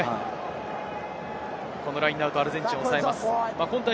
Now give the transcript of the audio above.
このラインアウトはアルゼンチンが抑えます。